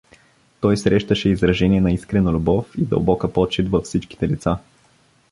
Той срещаше изражение на искрена любов и дълбока почит във всичките лица.